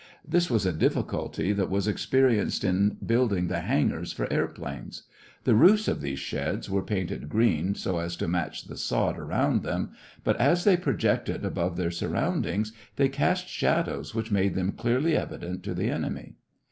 This was a difficulty that was experienced in building the hangars for airplanes. The roofs of these sheds were painted green so as to match the sod around them, but as they projected above their surroundings, they cast shadows which made them clearly evident to the enemy.